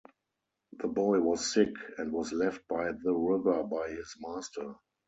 The boy was sick, and was left by the river by his master.